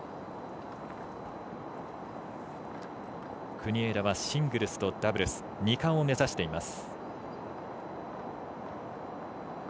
国枝はシングルスとダブルス２冠を目指しています。